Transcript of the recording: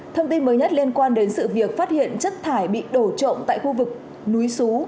thông tin mới nhất liên quan đến sự việc phát hiện chất thải bị đổ trộm tại khu vực núi xú